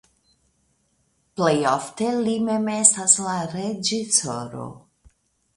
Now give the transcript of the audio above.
Plej ofte li mem estas ankaŭ la reĝisoro.